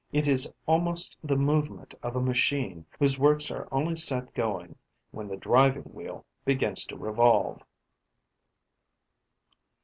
It is almost the movement of a machine whose works are only set going when the driving wheel begins to revolve.